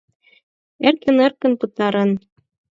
Эркын-эркын пытарен.